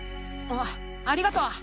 あありがとう。